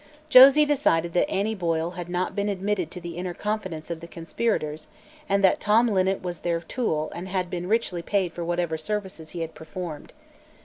Josie decided that Annie Boyle had not been admitted to the inner confidences of the conspirators, and that Tom Linnet was their tool and had been richly paid for whatever services he had performed.